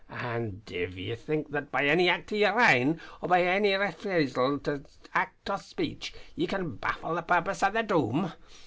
An' div ye think that by any act o' yer ain, or by any refusal o' act or speech, ye can baffle the purpose o' the Doom.